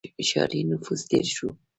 • ښاري نفوس ډېر شو.